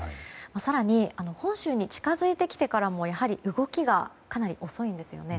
更に、本州に近づいてきてからも動きがかなり遅いんですよね。